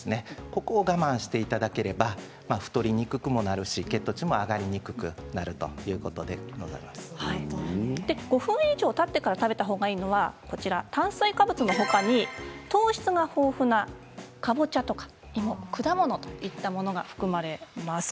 ここを我慢していただければ太りにくくもなるし血糖値も上がりにくくなる５分以上たってから食べたほうがいいのは炭水化物のほかに糖質の豊富なかぼちゃとか芋果物といったものが含まれます。